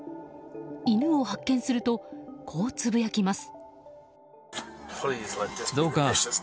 犬を発見するとこうつぶやきます。